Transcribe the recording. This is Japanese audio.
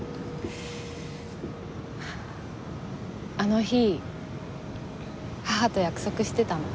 あの日母と約束してたの。